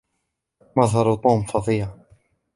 مظهر توم فظيع.